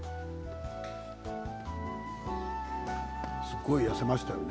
すごく痩せましたよね。